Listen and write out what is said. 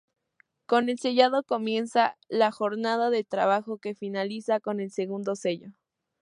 Con el sellado comienza la jornada de trabajo, que finaliza con el segundo sello.